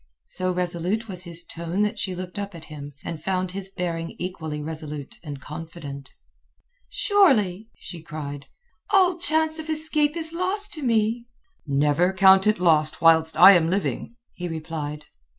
So resolute was his tone that she looked up at him, and found his bearing equally resolute and confident. "Surely," she cried, "all chance of escape is lost to me." "Never count it lost whilst I am living," he replied.